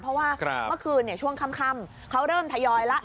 เพราะว่าเมื่อคืนช่วงค่ำเขาเริ่มทยอยแล้ว